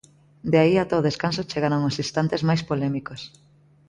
De aí ata o descanso chegaron os instantes máis polémicos.